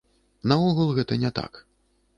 Наогул гэта не так.